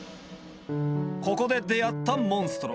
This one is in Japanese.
ここで出会ったモンストロ。